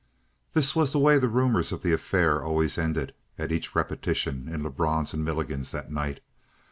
That was the way the rumors of the affair always ended at each repetition in Lebrun's and Milligan's that night.